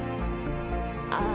ああ。